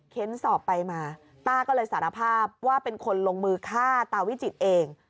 สอบไปมาต้าก็เลยสารภาพว่าเป็นคนลงมือฆ่าตาวิจิตเอง